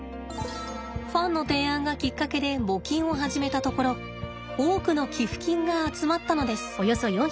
ファンの提案がきっかけで募金を始めたところ多くの寄付金が集まったのです。